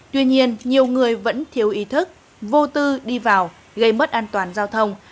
tuy nhiên nhiều người vẫn thiếu ý thức vô tư đi vào gây mất an toàn giao thông